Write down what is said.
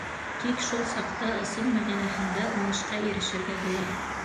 Тик шул саҡта ысын мәғәнәһендә уңышҡа ирешергә була.